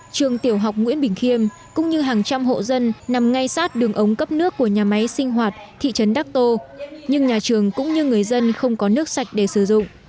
trường tiểu học nguyễn bình khiêm cũng như hàng trăm hộ dân nằm ngay sát đường ống cấp nước của nhà máy sinh hoạt thị trấn đắc tô nhưng nhà trường cũng như người dân không có nước sạch để sử dụng